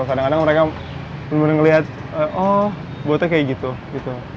kadang kadang mereka benar benar ngelihat oh buatnya kayak gitu gitu